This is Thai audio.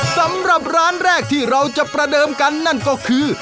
สำหรับร้านแรกที่เราจะประเดิมกันนั่นก็คือ